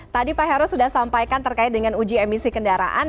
tadi pak heru sudah sampaikan terkait dengan uji emisi kendaraan